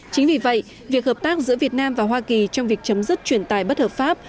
chính vì vậy việc hợp tác giữa việt nam và hoa kỳ trong việc chấm dứt chuyển tài bất hợp pháp